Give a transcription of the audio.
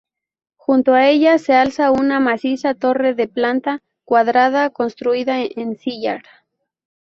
Junto a ella se alza una maciza torre de planta cuadrada construida en sillar.